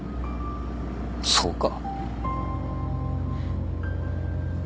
そうか？